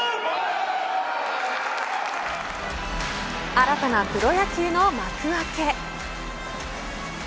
新たなプロ野球の幕開け。